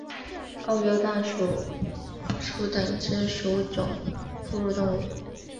澳洲弹鼠属等之数种哺乳动物。